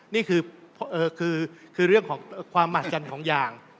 นี่คือเรื่องของความหมาชันของยาง